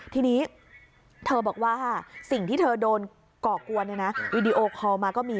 ทีนี้เธอบอกว่าสิ่งที่เธอโดนก่อกวนวีดีโอคอลมาก็มี